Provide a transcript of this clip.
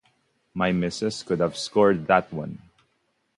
My missus could have scored that one.